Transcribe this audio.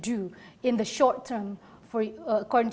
dalam jangka pendek